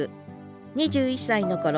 ２１歳のころ